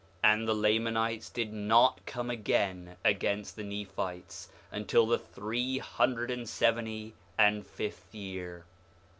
4:16 And the Lamanites did not come again against the Nephites until the three hundred and seventy and fifth year.